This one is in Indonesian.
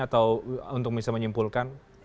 atau untuk bisa menyimpulkan